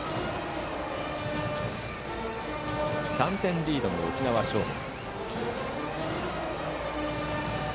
３点リードの沖縄尚学。